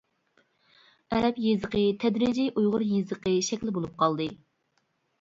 ئەرەب يېزىقى تەدرىجىي ئۇيغۇر يېزىقى شەكلى بولۇپ قالدى.